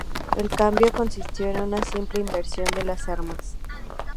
El cambió consistió en una simple inversión de las armas.